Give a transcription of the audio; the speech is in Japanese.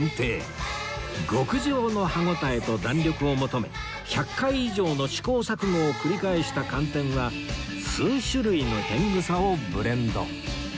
極上の歯応えと弾力を求め１００回以上の試行錯誤を繰り返した寒天は数種類の天草をブレンド